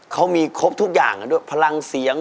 เขามีครบทุกอย่างด้วยพลังเสียง